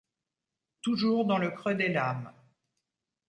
Toujours dans le creux des lames.